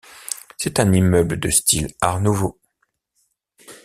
C'est un immeuble de style art nouveau.